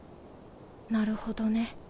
なるほどね。